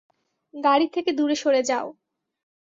গাড়ি থেকে দূরে সরে যাও!